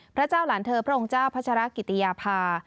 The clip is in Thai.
พระเจ้าหลานเธอพระองค์เจ้าพัชรกิติยาภา